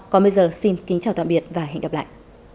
còn bây giờ xin kính chào tạm biệt và hẹn gặp lại